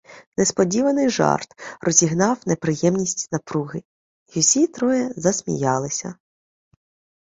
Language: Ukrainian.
Несподіваний жарт розігнав неприємність напруги, й усі троє засміялися.